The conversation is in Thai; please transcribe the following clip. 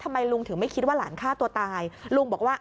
ทำไมลุงถึงไม่คิดว่าหลานฆ่าตัวตายลุงบอกว่า